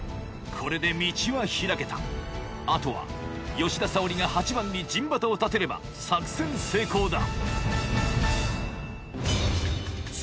これで道は開けたあとは吉田沙保里が８番に陣旗を立てれば作戦成功だ